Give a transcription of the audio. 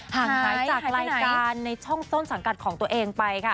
ห่างหายจากรายการในช่องต้นสังกัดของตัวเองไปค่ะ